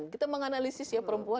kita menganalisis ya perempuan